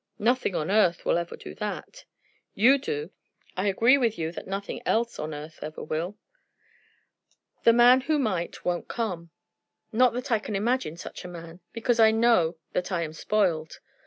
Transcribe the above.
"Nothing on earth will ever do that." "You do. I agree with you that nothing else on earth ever will. The man who might, won't come. Not that I can imagine such a man, because I know that I am spoiled.